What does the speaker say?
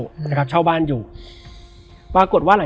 แล้วสักครั้งหนึ่งเขารู้สึกอึดอัดที่หน้าอก